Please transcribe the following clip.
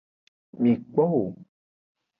Mi kpo wo.